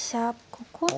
ここで。